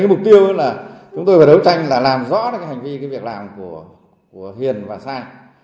mục tiêu là chúng tôi phải đấu tranh là làm rõ hành vi việc làm của hiền và sang